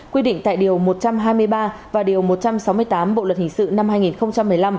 quy định tại điều một trăm hai mươi ba và điều một trăm sáu mươi tám bộ luật hình sự năm hai nghìn một mươi năm